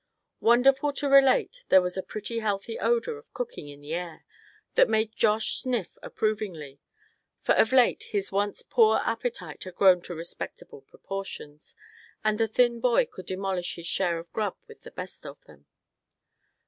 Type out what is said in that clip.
Wonderful to relate there was a pretty healthy odor of cooking in the air, that made Josh sniff approvingly; for of late his once poor appetite had grown to respectable proportions; and the thin boy could demolish his share of "grub" with the best of them.